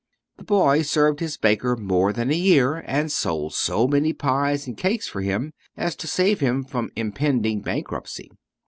The boy served his baker more than a year, and sold so many pies and cakes for him as to save him from impending bankruptcy.